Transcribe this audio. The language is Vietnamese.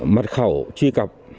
mật khẩu truy cập